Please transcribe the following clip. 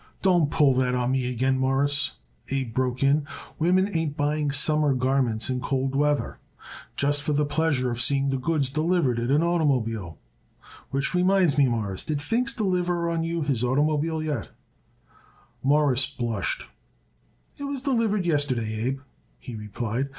"Don't pull that on me again, Mawruss," Abe broke in. "Women ain't buying summer garments in cold weather just for the pleasure of seeing the goods delivered in an oitermobile, which reminds me, Mawruss: Did Pfingst deliver you his oitermobile yet?" Morris blushed. "It was delivered yesterday, Abe," he replied.